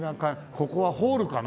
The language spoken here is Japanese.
ここはホールかな？